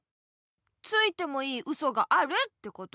ついてもいいウソがあるってこと？